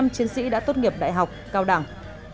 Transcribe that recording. bảy chiến sĩ đã tốt nghiệp đại học cao đẳng